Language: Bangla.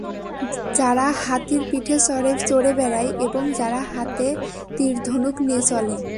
যারা হাতির পিঠে চড়ে বেড়ায় এবং যারা হাতে তীর ধনুক নিয়ে চলে।